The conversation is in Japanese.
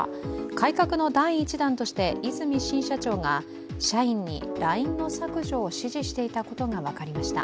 改革の第１弾として和泉新社長が社員にＬＩＮＥの削除を指示していたことが分かりました。